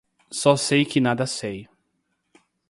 Só sei que nada sei.